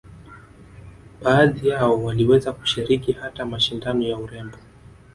Baadhi yao waliweza kushiriki hata mashindano ya urembo